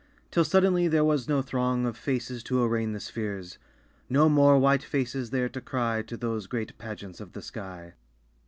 Till suddenly there was no throng Of faces to arraign the spheres, No more white faces there to cry To those great pageants of the sky.